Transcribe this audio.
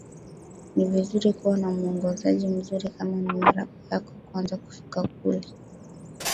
Ni vizuri kuwa na muongozaji mzuri kama ni mara yako kwanza kufika kule